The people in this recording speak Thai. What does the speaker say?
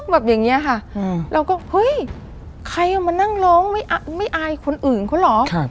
แบบอย่างนี้ค่ะเราก็เฮ้ยใครเอามานั่งร้องไม่อายคนอื่นเขาเหรอ